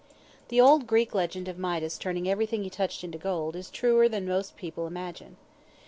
The old Greek legend of Midas turning everything he touched into gold, is truer than most people imagine.